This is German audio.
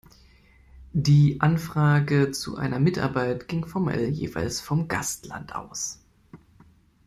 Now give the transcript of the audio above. Die Anfrage zu einer Mitarbeit ging formell jeweils vom Gastland aus.